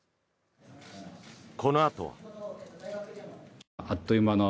このあとは。